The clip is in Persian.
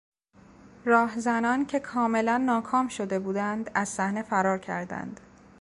راهزنان که کاملا ناکام شده بودند از صحنه فرار کردند.